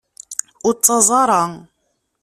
Ur ttaẓ ara.